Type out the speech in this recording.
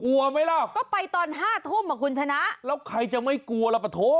กลัวไหมล่ะก็ไปตอนห้าทุ่มอ่ะคุณชนะแล้วใครจะไม่กลัวล่ะปะโถ